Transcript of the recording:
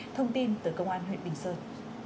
thông tin từ công an huyện bình sơn